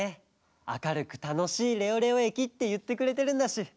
「あかるくたのしいレオレオえき」っていってくれてるんだし。